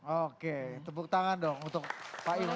oke tepuk tangan dong untuk pak ilha